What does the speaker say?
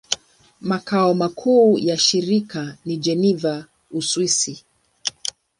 Makao makuu ya shirika ni Geneva, Uswisi.